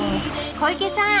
小池さん